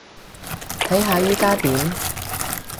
睇下依加點